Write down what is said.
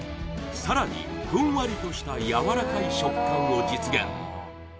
さらにふんわりとしたやわらかい食感を実現